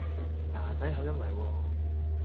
㗎仔口音嚟喎